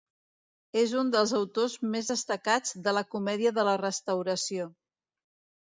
És un dels autors més destacats de la comèdia de la Restauració.